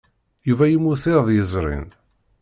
Yuba yemmut iḍ yezrin.